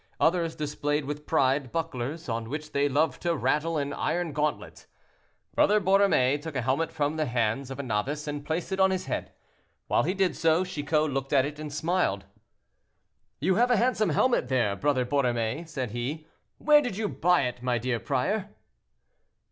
Others displayed with pride bucklers, on which they loved to rattle an iron gauntlet. Brother Borromée took a helmet from the hands of a novice, and placed it on his head. While he did so, Chicot looked at it and smiled. "You have a handsome helmet there, Brother Borromée," said he; "where did you buy it, my dear prior?"